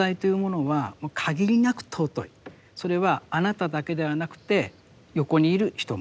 それはあなただけではなくて横にいる人も。